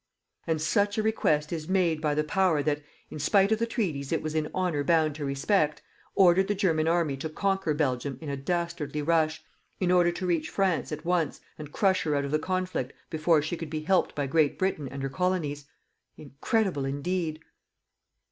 And such a request is made by the Power that, in spite of the treaties it was in honour bound to respect, ordered the German army to conquer Belgium in a dastardly rush, in order to reach France at once and crush her out of the conflict before she could be helped by Great Britain and her Colonies! Incredible indeed!